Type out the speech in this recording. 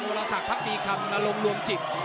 วันนี้เราสักพักดีคำอารมณ์รวมจิต